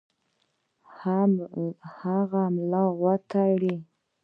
هغه ملا وتړي.